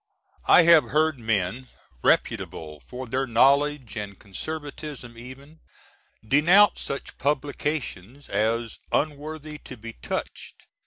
I have heard men, reputable for their knowledge & conservatism even, denounce such Publi^ns. as "unworthy to be touched."